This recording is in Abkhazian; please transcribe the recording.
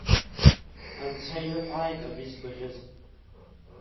Анцәа иныҳәааит абри згәаӷьыз!